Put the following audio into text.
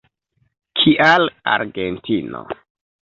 Kial Argentino?